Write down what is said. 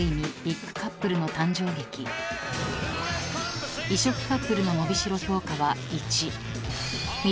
［異色カップルののびしろ評価は１］